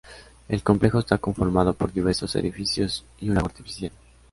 El complejo está conformado por diversos edificios y un lago artificial.